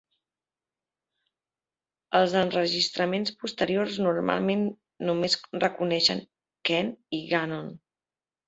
Els enregistraments posteriors normalment només reconeixen Kent i Gannon.